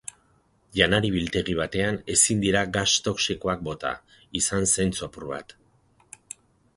Janari biltegi batean ezin dira gas toxikoak bota, izan zentzu apur bat!